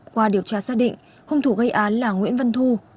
qua điều tra xác định hung thủ gây án là nguyễn văn thu